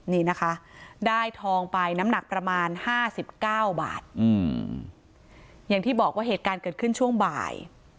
นี่นะคะได้ทองไปน้ำหนักประมาณ๕๙บาทอย่างที่บอกว่าเหตุการณ์เกิดขึ้นช่วงบ่าย